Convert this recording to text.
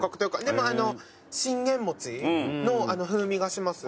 でも信玄餅の風味がします。